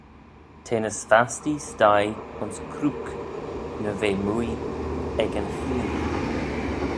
T'eh ny s'fastee sthie ayns Crook na ve mooie ec yn cheayn.